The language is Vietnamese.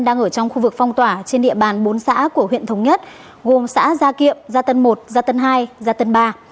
đang ở trong khu vực phong tỏa trên địa bàn bốn xã của huyện thống nhất gồm xã gia kiệm gia tân một gia tân hai gia tân ba